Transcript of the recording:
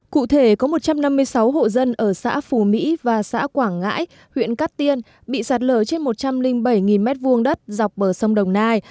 cụ thể có một trăm năm mươi sáu hộ dân ở xã phù mỹ và xã quảng ngãi huyện cát tiên bị sạt lở trên một trăm linh bảy m hai đất dọc bờ sông đồng nai